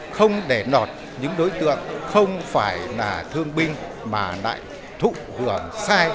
không để nọt những đối tượng không phải là thương binh mà lại thụ hưởng sai